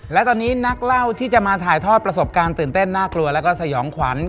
และตอนนี้นักเล่าที่จะมาถ่ายทอดประสบการณ์ตื่นเต้นน่ากลัวแล้วก็สยองขวัญ